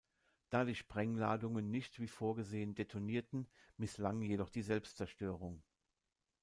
Da die Sprengladungen nicht wie vorgesehen detonierten, misslang jedoch die Selbstzerstörung.